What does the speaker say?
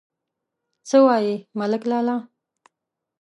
_څه وايې ملک لالا ؟